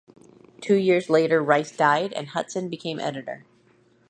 Two years later, Rice died and Hutson became editor.